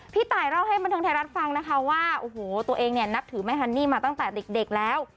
พี่ตายเล่าให้บันเทิงไทยรัฐฟังนะคะว่าโอ้โหตัวเองเนี่ยนับถือแม่ฮันนี่มาตั้งแต่เด็กแล้ว